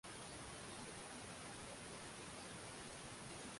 nchini humo taarifa zaidi anayo victor abuso